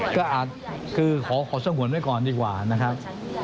ก็อาจคือขอส่งผลไว้ก่อนดีกว่านะครับ